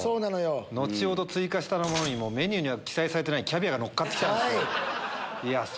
後ほど追加したものにもメニューには記載されてないキャビアがのっかって来たんです。